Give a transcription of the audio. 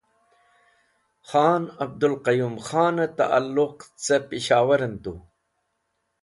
Khan Abdul Qayum Khane Ta'luq ce Peshowuren Tu